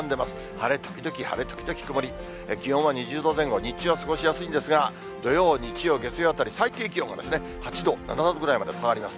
晴れ時々晴れ時々曇り、気温は２０度前後、日中は過ごしやすいんですが、土曜、日曜、月曜あたり、最低気温が８度、７度ぐらいまで下がります。